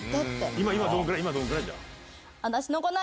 今どれぐらい？